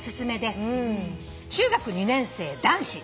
中学２年生男子。